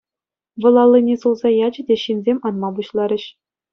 Вӑл аллине сулса ячӗ те ҫынсем анма пуҫларӗҫ.